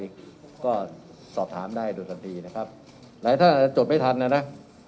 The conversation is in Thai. เราก็สอบถามได้รถทีกุนะครับหลายท่านจบไม่ทันเลยนะ